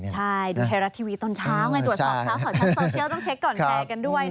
ใช่ดูไทยรัฐทีวีตอนเช้าให้ตรวจบอกเช้าของชั้นโซเชียล